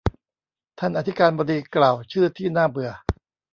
ท่านอธิการบดีกล่าวชื่อที่น่าเบื่อ